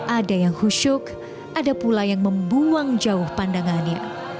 ada yang husyuk ada pula yang membuang jauh pandangannya